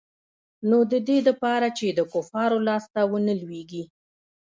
نو د دې د پاره چې د کفارو لاس ته ونه لوېږي.